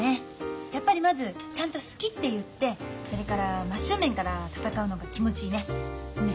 やっぱりまずちゃんと好きって言ってそれから真っ正面から闘うのが気持ちいいね。ね？